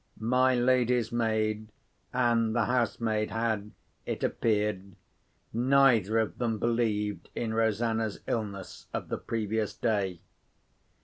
My lady's maid and the housemaid, had, it appeared, neither of them believed in Rosanna's illness of the previous day.